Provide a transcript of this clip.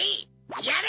やれ！